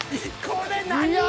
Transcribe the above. これ何？